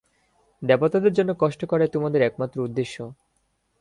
দেবতাদের জন্য কষ্ট করাই তোদের একমাত্র উদ্দেশ্য।